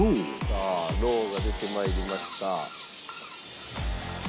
さあろうが出てまいりました。